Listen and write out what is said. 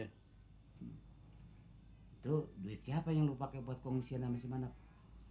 itu duit siapa yang lo pakai buat kongsian nama si patime